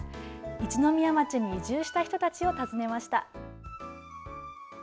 一宮町に移住した人たちを訪ねました。